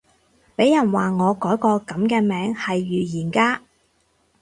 俾人話我改個噉嘅名係預言家